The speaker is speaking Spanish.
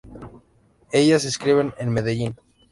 Ellas escriben en Medellín.